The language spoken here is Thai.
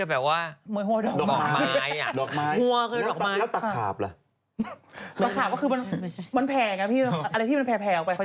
จำจะวันระรานตาไปหมด